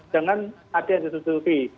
dengan ada yang ditutupi